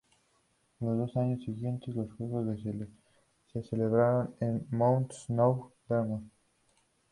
Los dos años siguientes los Juegos se celebraron en Mount Snow, Vermont.